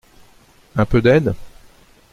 Un peu d’aide ?